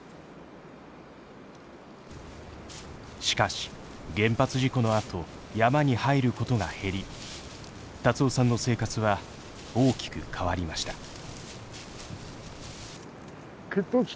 しかし原発事故のあと山に入ることが減り辰雄さんの生活は大きく変わりました。